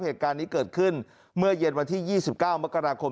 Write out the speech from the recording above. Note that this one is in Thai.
เหตุการณ์นี้เกิดขึ้นเมื่อเย็นวันที่๒๙มกราคม